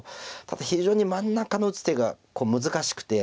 ただ非常に真ん中の打つ手が難しくて。